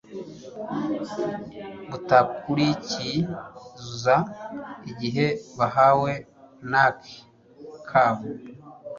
butakurikiza igihe bahawe naki kabo